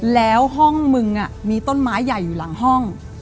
แล้วห้องมึงมีต้นไม้ใหญ่อยู่หลังห้อง